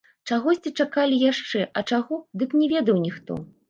Чагосьці чакалі яшчэ, а чаго, дык не ведаў ніхто.